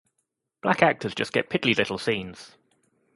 Black actors just get piddly little scenes.